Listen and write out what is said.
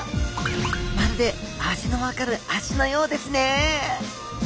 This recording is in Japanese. まるで味のわかる足のようですね。